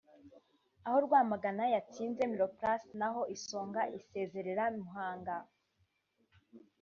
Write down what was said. aho Rwamagana yatsinze Miroplast naho Isonga isezerera Muhanga